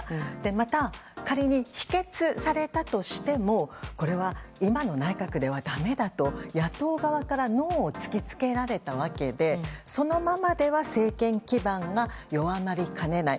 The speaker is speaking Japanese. また、仮に否決されたとしてもこれは今の内閣ではだめだと野党側からノーを突き付けられたわけでそのままでは政権基盤が弱まりかねない。